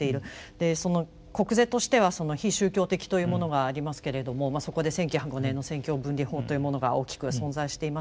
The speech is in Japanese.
でその国是としては非宗教的というものがありますけれどもそこで１９０５年の政教分離法というものが大きく存在していますが。